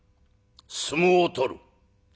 相撲を取る。